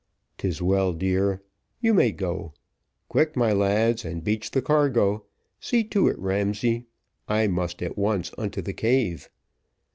"'Tis well, dear; you may go. Quick, my lads, and beach the cargo: see to it, Ramsay; I must at once unto the cave."